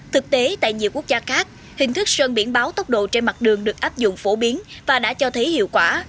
thực tế tại nhiều quốc gia khác hình thức sơn biển báo tốc độ trên mặt đường được áp dụng phổ biến và đã cho thấy hiệu quả